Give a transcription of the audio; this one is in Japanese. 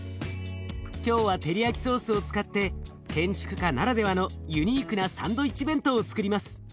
今日はテリヤキソースを使って建築家ならではのユニークなサンドイッチ弁当をつくります。